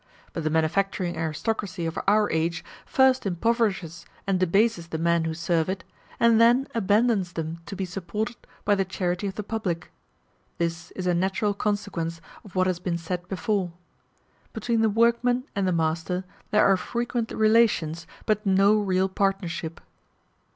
But the manufacturing aristocracy of our age first impoverishes and debases the men who serve it, and then abandons them to be supported by the charity of the public. This is a natural consequence of what has been said before. Between the workmen and the master there are frequent relations, but no real partnership.